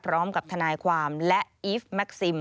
พร้อมกับทนายความและอีฟแม็กซิม